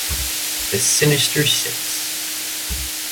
The Sinister Six.